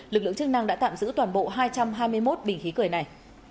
lực lượng chức năng đã tạm giữ toàn bộ hai trăm hai mươi một bình khí cười này